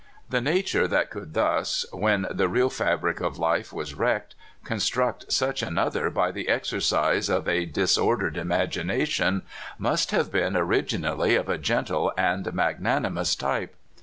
The nature that could thus, when the real fabric of life was wrecked, construct such another by the exercise of a disordered imagination, must have been orig inally of a gentle and magnanimous type.